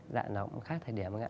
dạ nó cũng khác thời điểm ạ